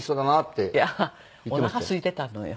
いやおなかすいてたのよ。